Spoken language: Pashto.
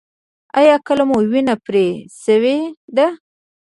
ایا کله مو وینه پرې شوې ده؟